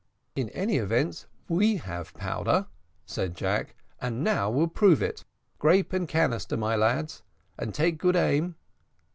"At all events, we have powder," said Jack, "and now we'll prove it. Grape and canister, my lads, and take good aim."